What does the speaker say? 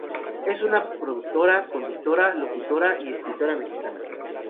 Es una productora, conductora, locutora y escritora mexicana.